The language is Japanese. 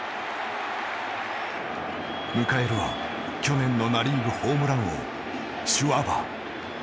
迎えるは去年のナ・リーグホームラン王シュワバー。